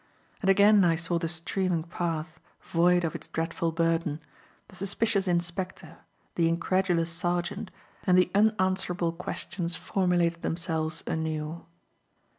And again I saw the streaming path, void of its dreadful burden, the suspicious inspector, the incredulous sergeant; and the unanswerable questions formulated themselves anew.